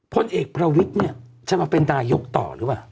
พลเอกประวิทย์เนี่ยจะมาเป็นนายกต่อหรือเปล่า